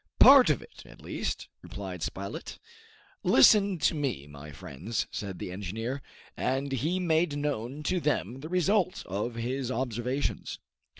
"Part of it, at least," replied Spilett. "Listen to me, my friends," said the engineer. And he made known to them the result of his observations.